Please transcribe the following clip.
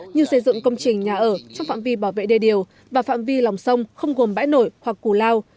như xây dựng công trình nhà ở trong phạm vi bảo vệ đê điều và phạm vi lòng sông không gồm bãi nổi hoặc củ lao